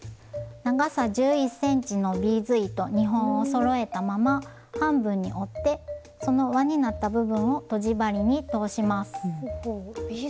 長さ１１ｃｍのビーズ糸２本をそろえたまま半分に折ってその輪になった部分をとじ針に通します。